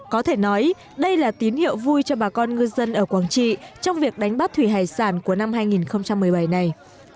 có thể nói đây là tín hiệu vui cho bà con ngư dân ở quảng trị trong việc đánh bắt thủy hải sản của năm hai nghìn một mươi bảy này